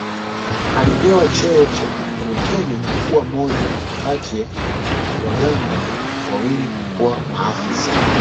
Alipewa cheo cha luteni na kuwa mmoja kati wa Waganda wawili kuwa maafisa